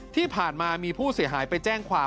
ที่ผ่านมามีผู้เสียหายไปแจ้งความ